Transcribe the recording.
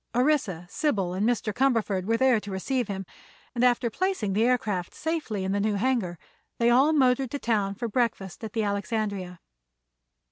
Orissa, Sybil and Mr. Cumberford were there to receive him, and after placing the aircraft safely in the new hangar they all motored to town for breakfast at the Alexandria.